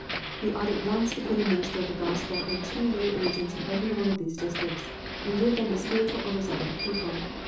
We ought at once to put a minister of the Gospel and two lay 322 KNOTS UNTIED. agents in every one of these districts, and give them the spiritual oversight of the people.